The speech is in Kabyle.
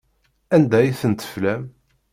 Anda ay ten-teflam?